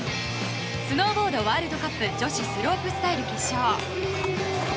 スノーボードワールドカップ女子スロープスタイル決勝。